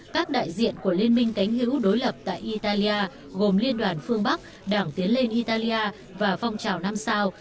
các đại diện của liên minh cánh hữu đối lập tại italia gồm liên đoàn phương bắc đảng tiến lên italia và phong trào năm sao